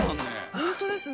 ホントですね。